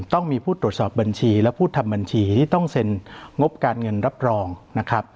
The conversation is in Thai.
ต้องมีผู้ตรวจสอบบัญชีและผู้ทำบัญชีที่ต้องเซ็นงบการเงินรับรองนะครับ